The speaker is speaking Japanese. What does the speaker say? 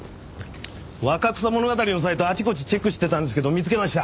『若草物語』のサイトあちこちチェックしてたんですけど見つけました。